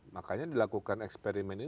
makanya dilakukan eksperimen ini